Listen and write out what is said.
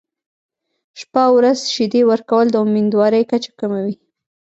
شپه او ورځ شیدې ورکول د امیندوارۍ کچه کموي.